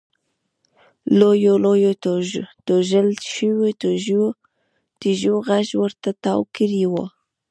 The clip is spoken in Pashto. لویو لویو توږل شویو تیږو غېږ ورته تاو کړې وه.